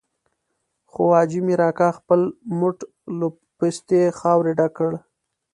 خو حاجي مير اکا خپل موټ له پستې خاورې ډک کړ.